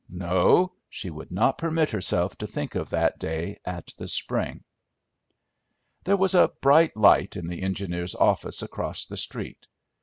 No, she would not permit herself to think of that day at the spring. There was a bright light in the engineer's office across the street.